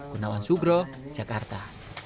gunawan sugro jakarta